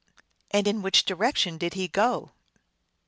"And in which direction did he go